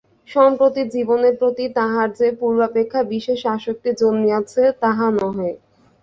সম্প্রতি জীবনের প্রতি তাঁহার যে পূর্বাপেক্ষা বিশেষ আসক্তি জন্মিয়াছে, তাহা নহে।